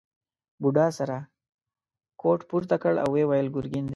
بوډا سره کوټ پورته کړ او وویل ګرګین دی.